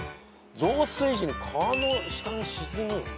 増水時に川の下に沈む。